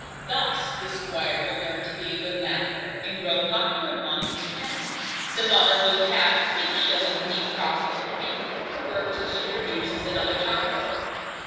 Thus the squire will learn to be a good landlord, and grow popular among his tenants, the mother will have eight shillings neat profit, and be fit for work till she produces another child.